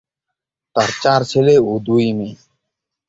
তার চার ছেলে ও দুই মেয়ে।